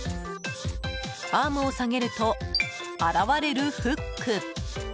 アームを下げると現れるフック。